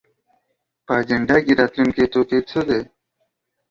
په اجنډا کې راتلونکی توکي څه دي؟